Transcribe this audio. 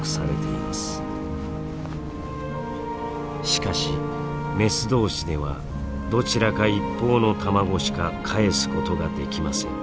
しかしメス同士ではどちらか一方の卵しかかえすことができません。